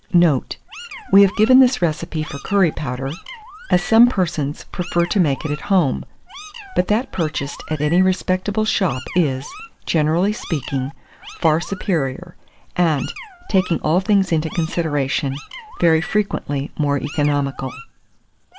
Note. We have given this recipe for curry powder, as some persons prefer to make it at home; but that purchased at any respectable shop is, generally speaking, far superior, and, taking all things into consideration, very frequently more economical.